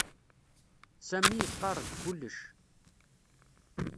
Sami iqarr-d kullec.